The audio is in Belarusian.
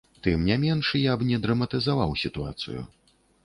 Тым не менш, я б не драматызаваў сітуацыю.